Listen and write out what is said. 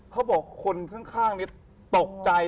เขาบอกคนข้างมีตรกใจ